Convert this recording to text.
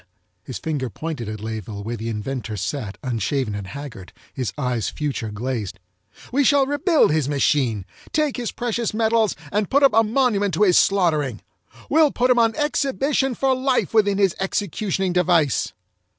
His finger pointed at Layeville where the inventor sat unshaven and haggard, his eyes failure glazed. "We shall rebuild his machine, take his precious metals, and put up a monument to his slaughtering! We'll put him on exhibition for life within his executioning device!"